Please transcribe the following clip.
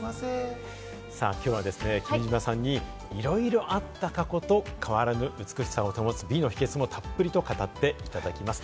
今日はですね、君島さんにいろいろあった過去と、変わらぬ美しさを保つ美の秘訣もたっぷりと語っていただきます。